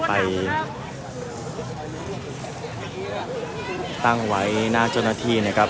การประตูกรมทหารที่สิบเอ็ดเป็นภาพสดขนาดนี้นะครับ